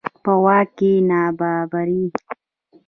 په واک کې نابرابري.